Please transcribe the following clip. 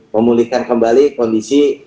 memulihkan kembali kondisi